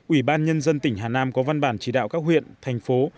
ủy ban nhân dân tỉnh hà nam có văn bản chỉ đạo các huyện thành phố